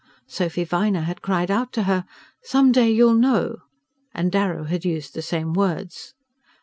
Sophy Viner had cried out to her: "Some day you'll know!" and Darrow had used the same words.